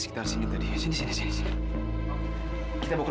sekitar sini jadi sini kita masuk aja ya ayo